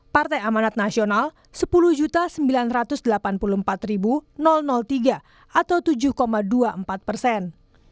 partai amanat nasional sepuluh sembilan ratus delapan puluh empat tiga atau tujuh dua puluh empat persen